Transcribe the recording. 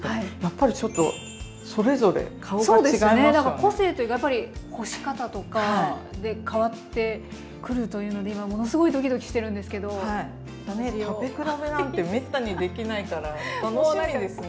個性というかやっぱり干し方とかで変わってくるというので今ものすごいドキドキしてるんですけど。食べ比べなんてめったにできないから楽しみですね。